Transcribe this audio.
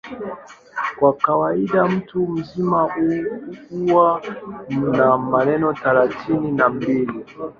Kwa kawaida mtu mzima huwa na meno thelathini na mbili.